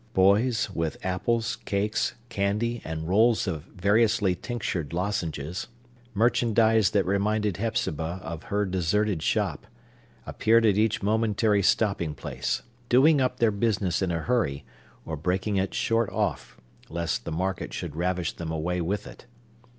Boys, with apples, cakes, candy, and rolls of variously tinctured lozenges,—merchandise that reminded Hepzibah of her deserted shop,—appeared at each momentary stopping place, doing up their business in a hurry, or breaking it short off, lest the market should ravish them away with it.